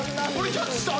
・キャッチしてたよ。